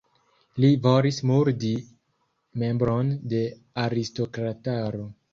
Li volis murdi membron de aristokrataro.